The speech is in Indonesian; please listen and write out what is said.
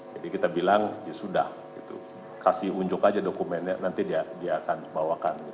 jadi kita bilang ya sudah kasih unjuk aja dokumennya nanti dia akan bawakan